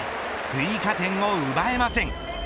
追加点を奪えません。